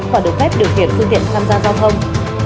còn được phép điều khiển phương tiện tham gia giao thông